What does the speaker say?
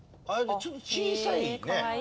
ちょっと小さいね。